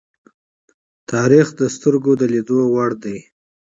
تاریخ د سترگو د لیدو وړ دی.